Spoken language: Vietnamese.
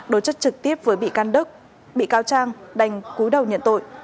đối chất trực tiếp với bị can đức bị cao trang đành cú đầu nhận tội